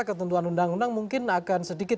ketentuan undang undang mungkin akan sedikit